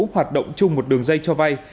hoạt động chung một đường dây cho vay